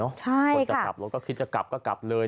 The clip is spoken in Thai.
ภาพจากกลับรถก็ภายใจกลับเลย